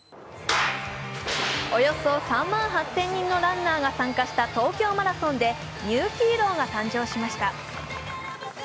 およそ３万８０００人のランナーが参加した東京マラソンでニューヒーローが誕生しました。